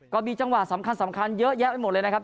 ก็มีจังหวะสำคัญเยอะแยะไปหมดเลยนะครับ